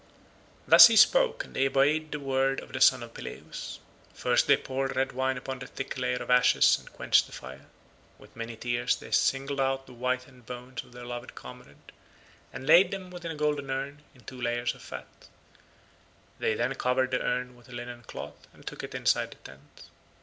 Thus he spoke and they obeyed the word of the son of Peleus. First they poured red wine upon the thick layer of ashes and quenched the fire. With many tears they singled out the whitened bones of their loved comrade and laid them within a golden urn in two layers of fat: they then covered the urn with a linen cloth and took it inside the tent.